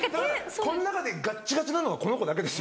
この中でガッチガチなのはこの子だけです。